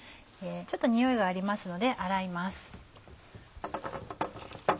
ちょっとにおいがありますので洗います。